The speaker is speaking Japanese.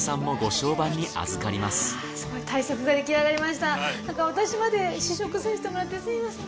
ちょっと私まで試食させてもらってすみません。